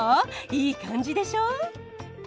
いい感じでしょ。